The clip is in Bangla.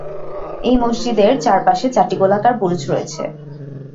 এই মসজিদের চারপাশের চারটি গোলাকার বুরুজ রয়েছে।